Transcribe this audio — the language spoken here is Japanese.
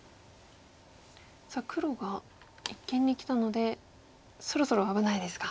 さあ黒が一間にきたのでそろそろ危ないですか。